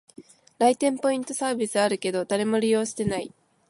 来店ポイントサービスあるけど、誰も利用してない